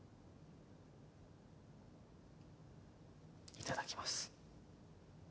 いただきます。